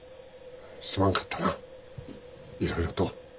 すまんかったないろいろと。